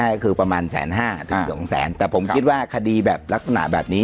ใช่คือประมาณแสนห้าถึงสองแสนแต่ผมคิดว่าคดีแบบลักษณะแบบนี้